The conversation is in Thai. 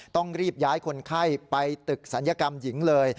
ต้องรีบย้ายคนไข้ไปตึกศัลยกรรมหญิงเลย